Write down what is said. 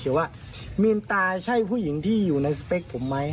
ว่ามีนตาใช่ผู้หญิงที่อยู่ในสเปคผมไหม